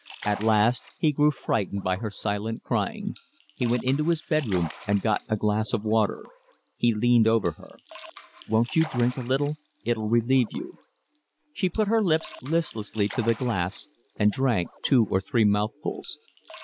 At last he grew frightened by her silent crying; he went into his bed room and got a glass of water; he leaned over her. "Won't you drink a little? It'll relieve you." She put her lips listlessly to the glass and drank two or three mouthfuls.